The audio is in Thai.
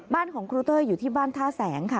บ้านของครูเต้ยอยู่ที่บ้านท่าแสงค่ะ